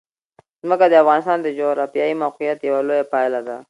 ځمکه د افغانستان د جغرافیایي موقیعت یوه لویه پایله ده.